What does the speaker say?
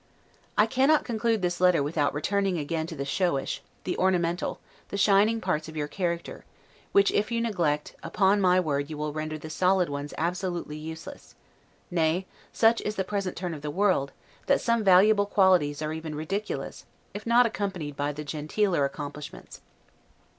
I cannot conclude this letter without returning again to the showish, the ornamental, the shining parts of your character; which, if you neglect, upon my word you will render the solid ones absolutely useless; nay, such is the present turn of the world, that some valuable qualities are even ridiculous, if not accompanied by the genteeler accomplishments.